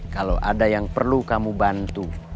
kalau ada yang perlu kamu bantu